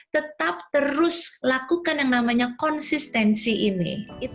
tetap terus lakukan yang namanya konsistensi ini